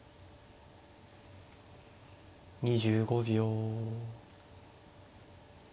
２５秒。